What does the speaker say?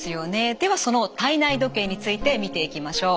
ではその体内時計について見ていきましょう。